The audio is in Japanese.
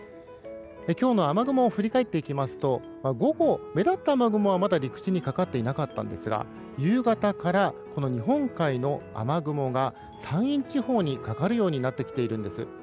今日の雨雲を振り返っていきますと午後、目立った雨雲はまだ陸地にかかっていなかったんですが夕方から、日本海の雨雲が山陰地方にかかるようになってきているんです。